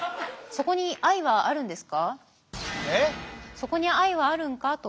そこに愛はあるんかと。